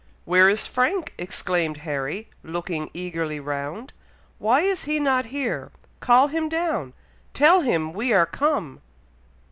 "Where is Frank?" exclaimed Harry, looking eagerly round. "Why is he not here? Call him down! Tell him we are come!"